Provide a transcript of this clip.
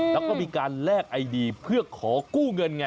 แล้วก็มีการแลกไอดีเพื่อขอกู้เงินไง